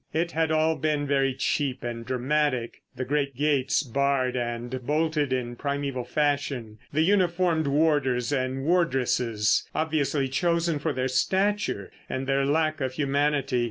It had all been very cheap and dramatic. The great gates, barred and bolted in primeval fashion; the uniformed warders and wardresses, obviously chosen for their stature and their lack of humanity.